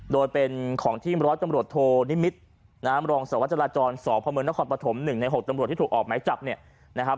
โดยเป็นของที่ร้อนจำรวจโทนิมิตรน้ำรองสวรรค์จราจร๒พเมืองนครปฐม๑ใน๖จำรวจที่ถูกออกไหมจับ